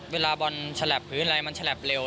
เวลาบอลแชลปพื้นไลมันแชลปเร็ว